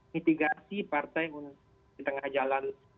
mitigasi partai di tengah jalan